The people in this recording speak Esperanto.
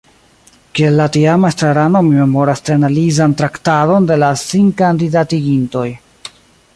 Kiel la tiama estrarano mi memoras tre analizan traktadon de la sinkandidatigintoj.